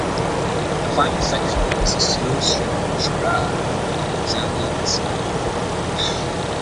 The final section is a slow string chorale that resembles a Russian Orthodox hymn.